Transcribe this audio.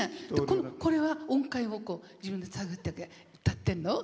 これは、音階を自分で探って歌ってるの？